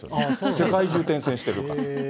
世界中、転戦してるから。